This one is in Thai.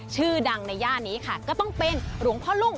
ชื่อดังในย่านนี้ค่ะก็ต้องเป็นหลวงพ่อลุง